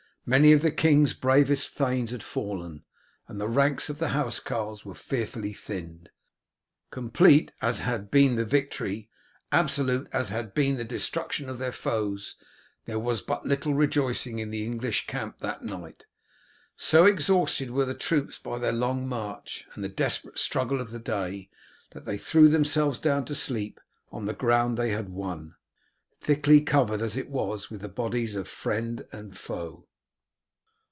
Many of the king's bravest thanes had fallen, and the ranks of the housecarls were fearfully thinned. Complete as had been the victory, absolute as had been the destruction of their foes, there was but little rejoicing in the English camp that night. So exhausted were the troops by their long march and the desperate struggle of the day that they threw themselves down to sleep on the ground they had won, thickly covered as it was with the bodies of friend and foe.